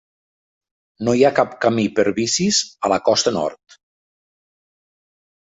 No hi ha cap camí per bicis a la costa nord.